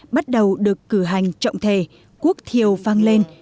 bắt đầu được cử hành trọng thể quốc thiều vang lên